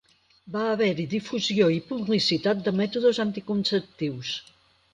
Va haver-hi difusió i publicitat de mètodes anticonceptius.